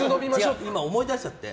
今、思い出しちゃって。